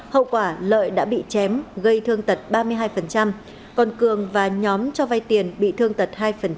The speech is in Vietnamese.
hậu quả lợi đã bị chém gây thương tật ba mươi hai còn cường và nhóm cho vay tiền bị thương tật hai